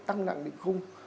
tăng nặng định khung